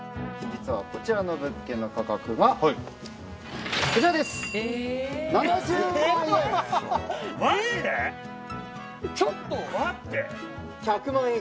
実はこちらの物件の価格がこちら、７０万円！